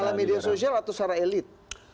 salah media sosial atau salah elit